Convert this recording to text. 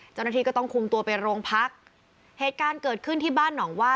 เจ้าหน้าที่ก็ต้องคุมตัวไปโรงพักเหตุการณ์เกิดขึ้นที่บ้านหนองว่า